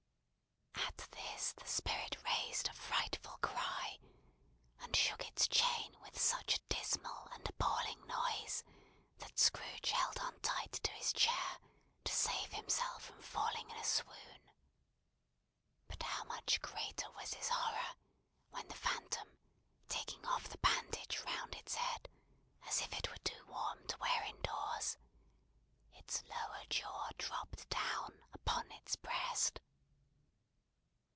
At this the spirit raised a frightful cry, and shook its chain with such a dismal and appalling noise, that Scrooge held on tight to his chair, to save himself from falling in a swoon. But how much greater was his horror, when the phantom taking off the bandage round its head, as if it were too warm to wear indoors, its lower jaw dropped down upon its breast!